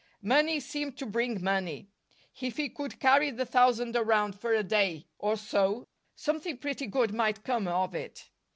Money seemed to bring money! If he could carry the thousand around for a day or so, something pretty good might come of it.